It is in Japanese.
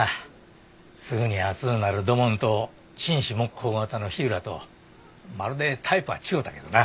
すぐに熱うなる土門と沈思黙考型の火浦とまるでタイプは違うたけどな。